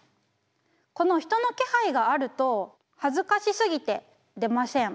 この人の気配があると恥ずかしすぎて出ません。